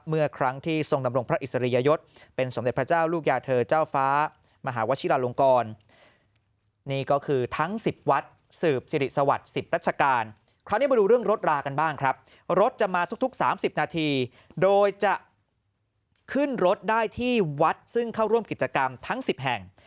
เมื่อครั้งที่ทรงดำรงพระอิสริยยศเป็นสมเด็จพระเจ้าลูกยาเธอเจ้าฟ้ามหาวชิลาลงกรนี่ก็คือทั้ง๑๐วัดสืบสิริสวัสดิ์๑๐รัชกาลคราวนี้มาดูเรื่องรถรากันบ้างครับรถจะมาทุก๓๐นาทีโดยจะขึ้นรถได้ที่วัดซึ่งเข้าร่วมกิจกรรมทั้ง๑๐แห่ง